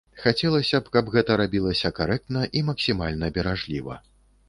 Хацелася б, каб гэта рабілася карэктна і максімальна беражліва.